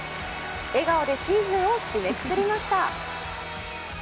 笑顔でシーズンを締めくくりました。